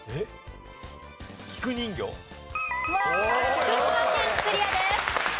福島県クリアです。